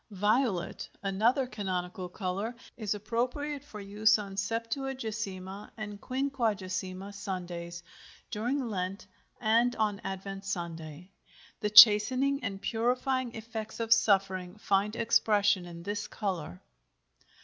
VIOLET, another canonical color, is appropriate for use on Septuagesima and Quinquagesima Sundays, during Lent, and on Advent Sunday. The chastening and purifying effects of suffering find expression in this color.